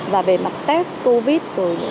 và về mặt test covid